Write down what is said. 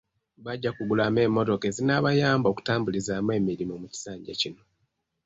Bajja kugulamu emmotoka ezinaabayamba okutambulizaamu emirimu mu kisanja kino.